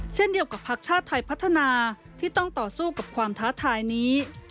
เช่นเดียวกับพักชาติไทยพัฒนาที่ต้องต่อสู้กับความท้าทายนี้